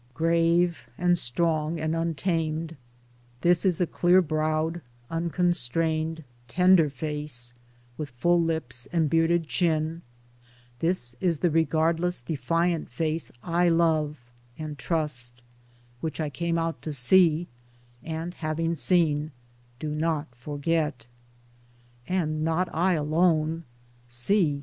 ] Grave and strong and untamed, This is the clear browed unconstrained tender face, with full lips and bearded chin, this is the regardless defiant face I love and trust ; Which I came out to see, and having seen do not forget. And not I alone, See